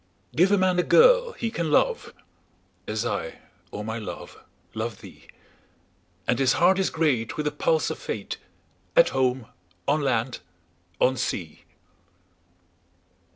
Give a man a girl he can love, As I, O my love, love thee; 10 And his heart is great with the pulse of Fate, At home, on land, on sea.